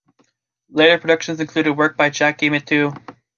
Later productions included work by Jackie Mittoo.